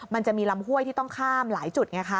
มันจะมีลำห้วยที่ต้องข้ามหลายจุดไงคะ